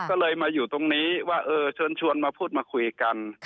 ก็เลยมาอยู่ตรงนี้ว่าเออเชิญชวนมาพูดมาคุยกัน